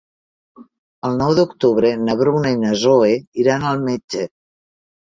El nou d'octubre na Bruna i na Zoè iran al metge.